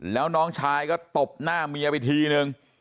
แล้วน้องชายก็ตบหน้าเมียไปทีนึง